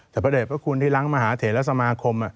แต่พระเด็ดพระคุณที่รั้งมหาเทราสมคม